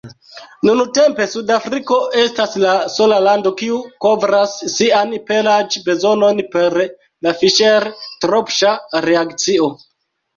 Nuntempe Sudafriko estas la sola lando, kiu kovras sian pelaĵ-bezonon per la Fiŝer-Tropŝa reakcio.